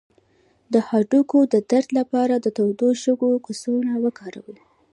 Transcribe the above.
د هډوکو د درد لپاره د تودو شګو کڅوړه وکاروئ